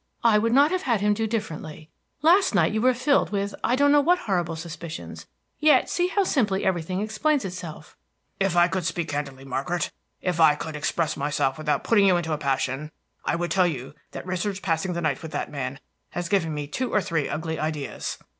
I would not have had him do differently. Last evening you were filled with I don't know what horrible suspicions, yet see how simply everything explains itself." "If I could speak candidly, Margaret, if I could express myself without putting you into a passion, I would tell you that Richard's passing the night with that man has given me two or three ugly ideas."